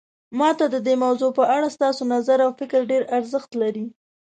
ما ته د دې موضوع په اړه ستاسو نظر او فکر ډیر ارزښت لري